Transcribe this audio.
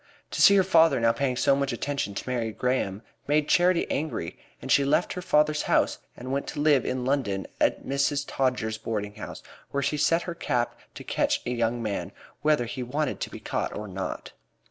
To see her father now paying so much attention to Mary Graham made Charity angry, and she left her father's house and went to live in London at Mrs. Todgers's boarding house, where she set her cap to catch a young man, whether he wanted to be caught or not.